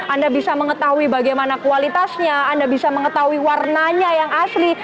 anda bisa mengetahui bagaimana kualitasnya anda bisa mengetahui warnanya yang asli